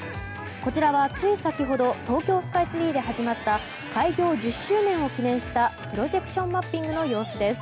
こちらは、つい先ほど東京スカイツリーで始まった開業１０周年を記念したプロジェクションマッピングの様子です。